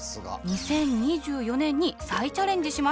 ２０２４年に再チャレンジします。